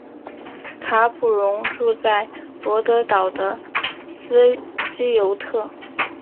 卡普荣住在罗德岛的斯基尤特。